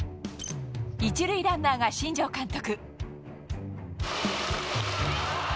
１塁ランナーが新庄監督。